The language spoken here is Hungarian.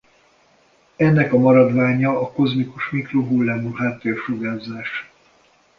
Ennek a maradványa a kozmikus mikrohullámú háttérsugárzás.